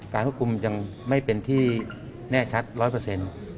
ควบคุมยังไม่เป็นที่แน่ชัดร้อยเปอร์เซ็นต์